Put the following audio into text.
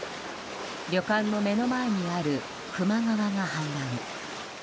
旅館の目の前にある球磨川が氾濫。